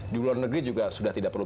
di luar negeri juga sudah tidak perlu